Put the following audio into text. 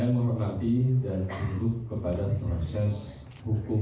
yang pertama adalah seperti yang saya sampaikan pada kesempatan sebelum sebelum ini